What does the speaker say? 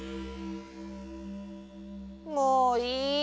もういい。